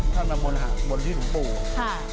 ท่านบรรมวลบริษัทหัวใจ